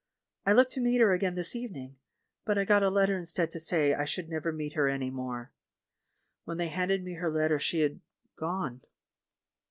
I looked to meet her again this evening, but I got a letter instead to say I should never meet her any more. When they handed me her letter she had — gone."